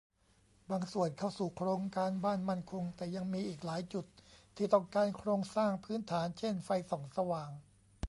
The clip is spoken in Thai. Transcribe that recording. บางส่วนเข้าสู่โครงการบ้านมั่นคง แต่ยังมีอีกหลายจุดที่ต้องการโครงสร้างพื้นฐานเช่น ไฟส่องสว่าง